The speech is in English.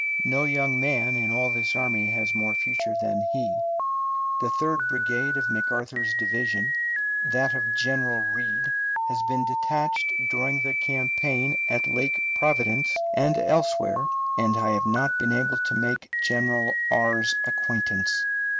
No young man in all this army has more future than he. The third brigade of McArthur's division, that of General Reid, has been detached during the campaign at Lake Providence and elsewhere, and I have not been able to make General R.'s acquaintance.